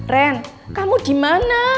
ren kamu di mana